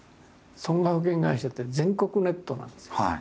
損害保険会社って全国ネットなんですよ。